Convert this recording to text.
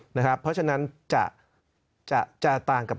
เพราะฉะนั้นจะต่างกับ